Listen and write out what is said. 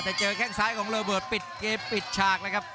แต่เจอแข้งซ้ายของระเบิดปิดเกมปิดฉากเลยครับ